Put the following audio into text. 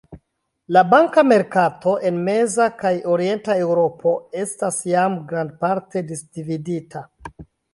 La banka merkato en meza kaj orienta Eŭropo estas jam grandparte disdividita.